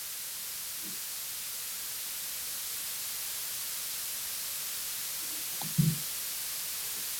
ambayo usingeweza hata kupata kuyauliza lakini unahitaji